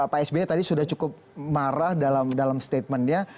pak sby tadi sudah cukup marah dalam statementnya